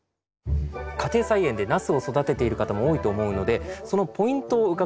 家庭菜園でナスを育てている方も多いと思うのでそのポイントを伺っていきます。